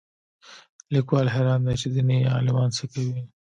لیکوال حیران دی چې دیني عالمان څه کوي